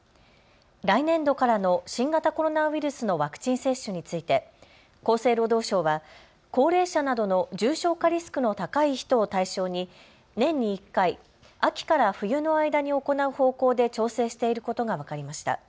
来年度からの新型コロナウイルスのワクチン接種について厚生労働省は高齢者などの重症化リスクの高い人を対象に年に１回、秋から冬の間に行う方向で調整していることが分かりました。